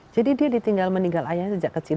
jadi dia meninggal ayahnya sejak kecil